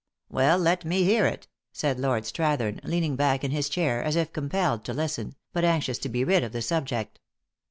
" Well, let me hear it," said Lord Strathern, lean ing back in his chair, as if compelled to listen, but anxious to be rid of the subject.